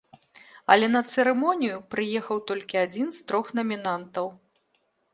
Але на цырымонію прыехаў толькі адзін з трох намінантаў.